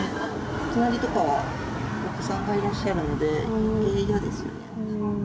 隣とかはお子さんがいらっしゃるので、よけい嫌ですよね。